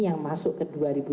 yang masuk ke dua ribu dua puluh